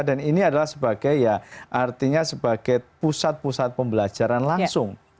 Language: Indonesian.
dan ini adalah sebagai ya artinya sebagai pusat pusat pembelajaran langsung